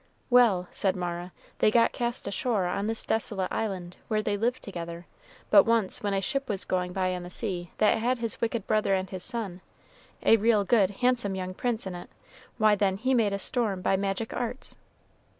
"Well," said Mara, "they got cast ashore on this desolate island, where they lived together. But once, when a ship was going by on the sea that had his wicked brother and his son a real good, handsome young prince in it, why then he made a storm by magic arts."